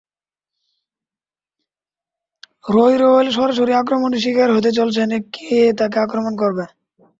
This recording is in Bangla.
রয় বয়েল সরাসরি আক্রমণের শিকার হতে চলেছেন কে তাকে আক্রমণ করবে?